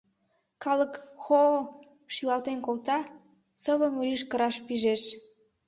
Калык «хо-о!» шӱлалтен колта, совым рӱж кыраш пижеш.